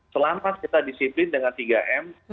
selama kita disiplin dengan tiga m